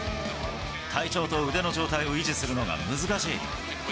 体調と腕の状態を維持するのが難しい。